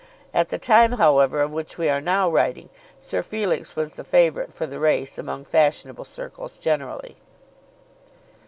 At the time, however, of which we are now writing, Sir Felix was the favourite for the race among fashionable circles generally.